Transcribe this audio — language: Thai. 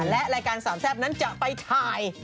และรายการสามแซ่บนั้นจะไปถ่าย